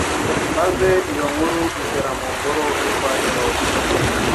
maze iyo nkuru igera mu ngoro yo kwa Herode